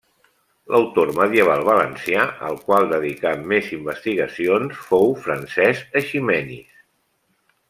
L'autor medieval valencià al qual dedicà més investigacions fou Francesc Eiximenis.